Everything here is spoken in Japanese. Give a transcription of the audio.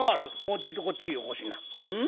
ちょいとこっちへよこしな。